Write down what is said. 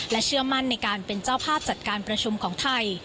เชื่อมั่นในการเป็นเจ้าภาพจัดการประชุมของไทย